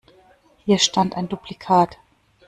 Hier stand ein Duplikat.